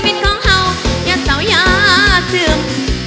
เป็นของเห่าอย่าเศร้าอย่าเศื่อม